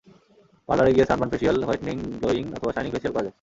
পারলারে গিয়ে sunburn facial, whitening, glowing অথবা shining facial করা যায়।